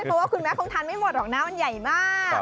เพราะว่าคุณแม่คงทานไม่หมดหรอกนะมันใหญ่มาก